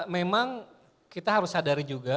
memang kita harus sadari juga